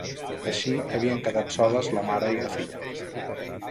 Així havien quedat soles la mare i la filla.